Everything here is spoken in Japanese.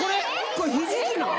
これひじきなん？